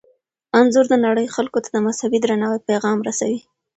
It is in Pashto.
انځور د نړۍ خلکو ته د مذهبي درناوي پیغام رسوي.